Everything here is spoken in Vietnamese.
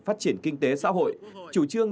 phát triển kinh tế xã hội chủ trương